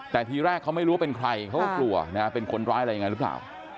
แต่ทีแรกเขาไม่รู้ว่าเป็นใครเขาก็กลัวนะเป็นคนร้ายอะไรยังไงหรือเปล่า